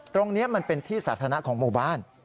ตรงนี้มันเป็นที่สาธารณะของหมู่บ้าน